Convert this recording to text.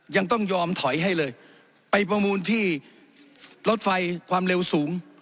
ยังต้องยอมถอยให้เลยไปประมูลที่รถไฟความเร็วสูง